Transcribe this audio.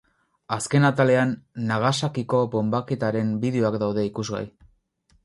Azken atalean Nagasakiko bonbaketaren bideoak daude ikusgai.